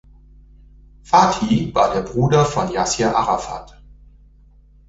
Fathi war der Bruder von Jassir Arafat.